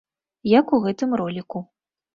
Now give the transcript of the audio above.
Як у гэтым роліку.